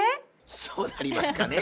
そうなりますかね。